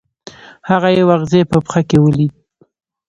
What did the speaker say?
هغه یو اغزی په پښه کې ولید.